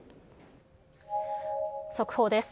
速報です。